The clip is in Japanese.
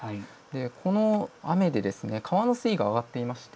この雨で川の水位が上がっています。